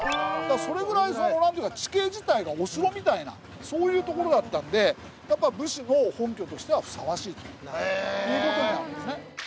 それぐらい地形自体がお城みたいなそういう所だったんでやっぱ武士の本拠としてはふさわしいという事なんですね。